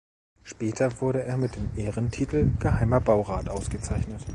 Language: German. Später wurde er mit dem Ehrentitel „Geheimer Baurat“ ausgezeichnet.